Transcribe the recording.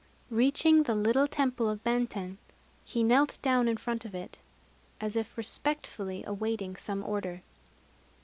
Reaching the little temple of Benten, he knelt down in front of it, as if respectfully awaiting some order.